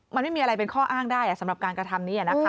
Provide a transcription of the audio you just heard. มันไม่มีอะไรเป็นข้ออ้างได้สำหรับการกระทำนี้นะคะ